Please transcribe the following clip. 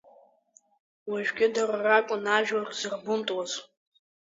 Уажәгьы дара ракәын ажәлар зырбунтуаз.